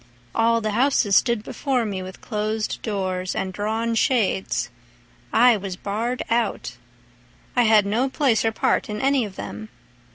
All the houses stood before me with closed doors And drawn shades—I was barred out; I had no place or part in any of them.